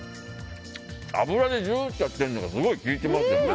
油でジューってやってるのがすごい効いてますよね。